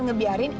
dengar ya director